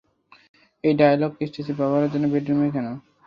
এই ডায়োলোগ স্টেজে ব্যাবহারে জন্য, বেডরুমে কেনো!